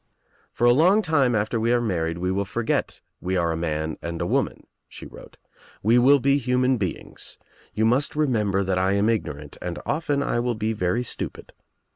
'For a long time, after we are married, we will forget we arc a man and woman,' she wrote. 'We will be human beings. You must remember that I . am ignorant and often I will be very stupid.